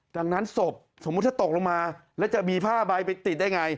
ดังนั้นศพสมมุติถ้าตกลงมาแล้วจะมีผ้าใบไปติดได้ไง